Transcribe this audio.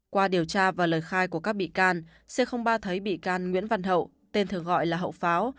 qua điều tra và lời khai của các bị can c ba thấy bị can nguyễn văn hậu tên thường gọi là hậu pháo